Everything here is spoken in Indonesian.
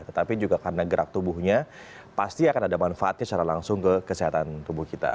tetapi juga karena gerak tubuhnya pasti akan ada manfaatnya secara langsung ke kesehatan tubuh kita